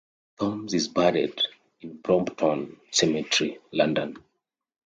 Thoms is buried in Brompton Cemetery, London.